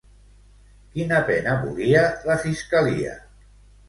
Quina pena volia la fiscalia?